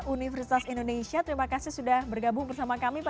universitas indonesia terima kasih sudah bergabung dengan kita